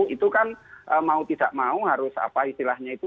itu kan mau tidak mau harus apa istilahnya itu